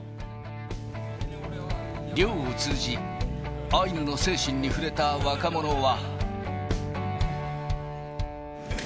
猟を通じ、アイヌの精神に触れた若者は。